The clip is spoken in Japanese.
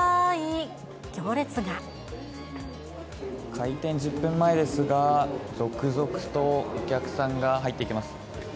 開店１０分前ですが、続々とお客さんが入っていきます。